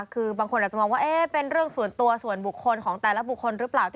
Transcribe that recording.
คือบางคนอาจจะมองว่าเป็นเรื่องส่วนตัวส่วนบุคคลของแต่ละบุคคลหรือเปล่า